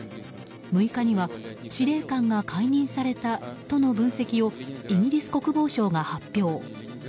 ６日には司令官が解任されたとの分析をイギリス国防省が発表。